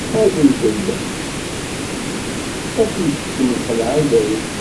Ad ndellen, ad ten-tekcem lxelɛa, i dayem.